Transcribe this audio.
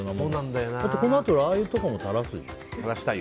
だって、このあとラー油とかもたらすでしょ。